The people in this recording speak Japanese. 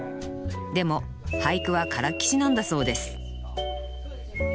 でも俳句はからっきしなんだそうです